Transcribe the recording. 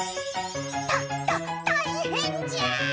たたたいへんじゃ！